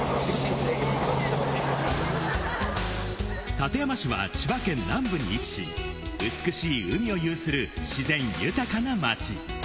館山市は千葉県南部に位置し、美しい海を有する自然豊かな街。